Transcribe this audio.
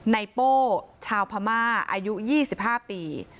ในโป้ชาวพม่าอายุ๒๕ปี